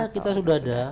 china oh sudah ada